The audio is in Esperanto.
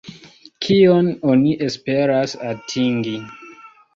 Kion oni esperas atingi?